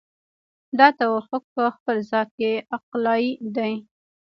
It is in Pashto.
دا توافق په خپل ذات کې عقلایي دی.